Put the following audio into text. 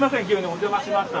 お邪魔しました。